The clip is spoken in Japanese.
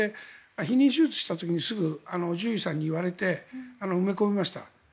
避妊手術をした時にすぐに獣医さんに言われて埋め込みました。